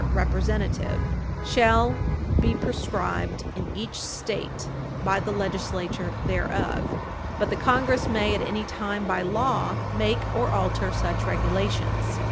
. Representatives, shall be prescribed in each State by the Legislature thereof; but the Congress may at any time by Law make or alter such Regulations